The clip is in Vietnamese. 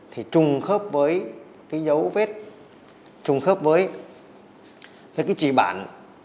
thì trung khớp với cái dấu vết trung khớp với cái chỉ bản